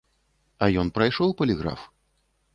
А ён прайшоў паліграф?